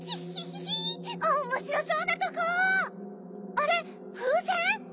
あれふうせん？